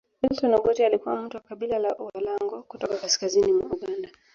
Milton Obote alikuwa mtu wa Kabila la Walango kutoka kaskazini mwa Uganda